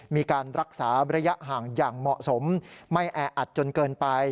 มีการรักษาระยะห่างอย่างเหมาะสมไม่แออัดจนเกินไป